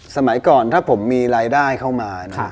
สมัยก่อนถ้าผมมีรายได้เข้ามา